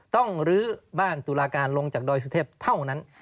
ต้องลื้อบ้านตุลาการลงจากดอยสุทธิพธ์เท่านั้น